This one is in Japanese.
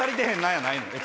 やないの。